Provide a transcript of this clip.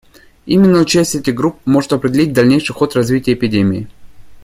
Именно участие этих групп может определить дальнейший ход развития эпидемии.